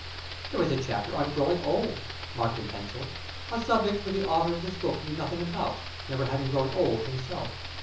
There is a chapter on growing old marked in pencil a subject which the author of this book knew nothing about, never having grown old himself.